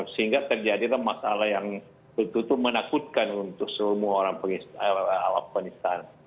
sehingga terjadi masalah yang menakutkan untuk semua orang afganistan